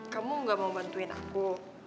kamu gak mau bantuin aku